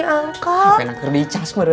cuma ada yang berbicara sama nana